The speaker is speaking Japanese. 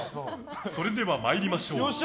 それでは参りましょう。